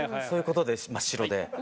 そういうことで真っ白で。